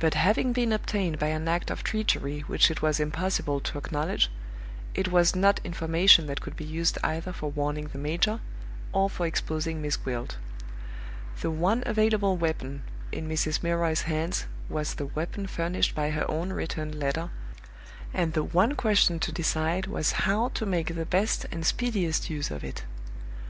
But having been obtained by an act of treachery which it was impossible to acknowledge, it was not information that could be used either for warning the major or for exposing Miss Gwilt. The one available weapon in Mrs. Milroy's hands was the weapon furnished by her own returned letter, and the one question to decide was how to make the best and speediest use of it.